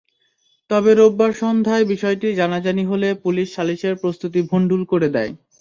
তবে রোববার সন্ধ্যায় বিষয়টি জানাজানি হলে পুলিশ সালিসের প্রস্তুতি ভন্ডুল করে দেয়।